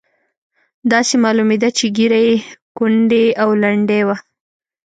داسې معلومېده چې ږیره یې کونډۍ او لنډۍ وه.